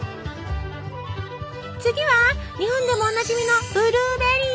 次は日本でもおなじみのブルーベリー。